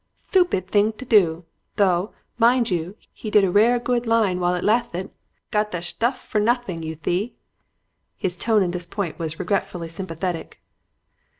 Thtoopid thing to do, though, mind you, he did a rare good line while it lathted. Got the sthuff for nothing, you thee.' His tone at this point was regretfully sympathetic.